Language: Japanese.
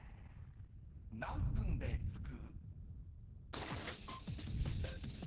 ［何分で着く？］